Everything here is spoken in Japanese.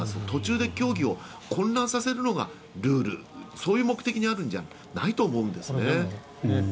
途中で競技を混乱させるのがルールそういう目的であるんじゃないと思うんですね。